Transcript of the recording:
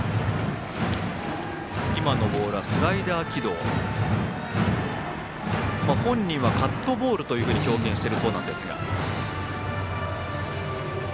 スライダー軌道のボール本人はカットボールと表現しているそうですが。